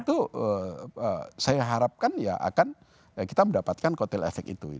itu saya harapkan ya akan kita mendapatkan kotel efek itu